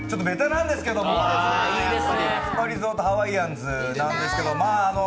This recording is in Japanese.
ベタなんですけれども、スパリゾートハワイアンズなんですけど。